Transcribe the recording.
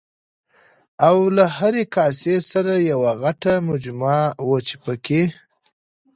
او له هرې کاسې سره یوه غټه مجمه وه چې پکې